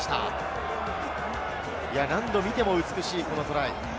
何度見ても美しいトライ。